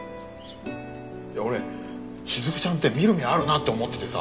いや俺雫ちゃんって見る目あるなって思っててさ。